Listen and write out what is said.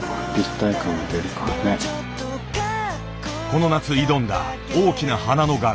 この夏挑んだ大きな花の柄。